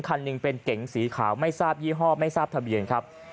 คันหนึ่งเป็นเก๋งสีขาวไม่ทราบยี่ห้อไม่ทราบทะเบียนครับ